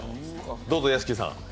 どうぞ屋敷さん。